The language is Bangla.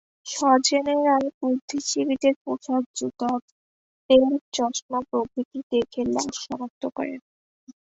স্বজনেরা বুদ্ধিজীবীদের পোশাক, জুতা, বেল্ট, চশমা প্রভৃতি দেখে লাশ শনাক্ত করেন।